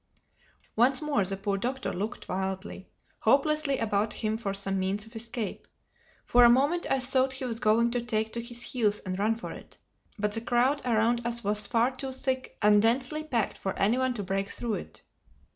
Once more the poor Doctor looked wildly, hopelessly about him for some means of escape. For a moment I thought he was going to take to his heels and run for it. But the crowd around us was far too thick and densely packed for anyone to break through it.